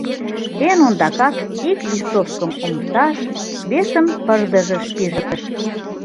Эн ондакак ик листовкым омсаш, весым пырдыжыш пижыктыш.